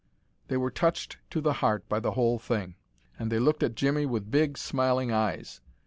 They were touched to the heart by the whole thing, and they looked at Jimmie with big, smiling eyes.